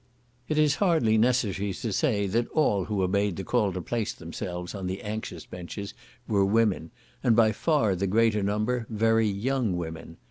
It is hardly necessary to say that all who obeyed the call to place themselves on the "anxious benches" were women, and by far the greater number very young women.